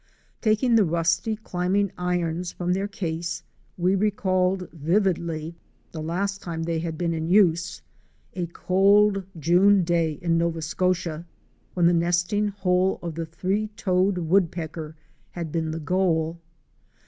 Taking the rusty climbing irons from their case, we recalled vividly the last time they had been in use — a cold June day in Nova Scotia, when the nesting hole of a Three toed Woodpecker had been the goal.